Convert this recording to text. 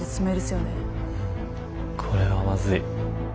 うんこれはまずい。